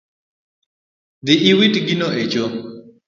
Dhi iwit gino e cho